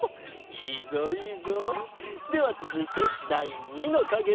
いいぞいいぞ。ではつづいてだい２のかげだ。